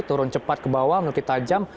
turun cepat ke bawah menurut kita jam